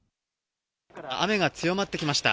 雨が強まってきました。